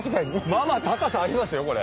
まあまあ高さありますよこれ。